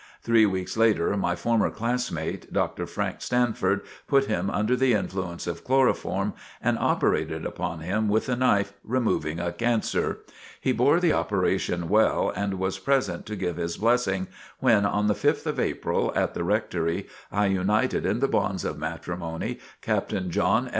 Three weeks later, my former classmate, Dr. Frank Stanford, put him under the influence of chloroform, and operated upon him with a knife, removing a cancer. He bore the operation well, and was present to give his blessing, when on the 5th of April, at the rectory, I united in the bonds of matrimony, Captain John S.